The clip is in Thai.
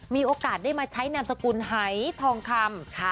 มีโอกาสได้มาใช้นามสกุลหายทองคำ